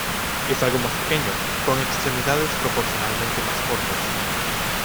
Es algo más pequeño, con extremidades proporcionalmente más cortas.